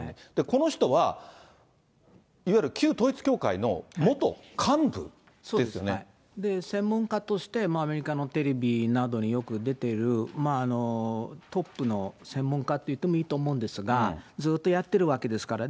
この人はいわゆる旧統一教会の元専門家として、アメリカのテレビなどによく出ている、トップの専門家っていってもいいと思うんですが、ずっとやってるわけですから。